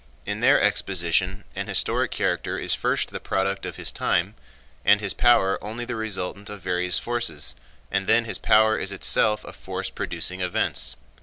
In their exposition, an historic character is first the product of his time, and his power only the resultant of various forces, and then his power is itself a force producing events.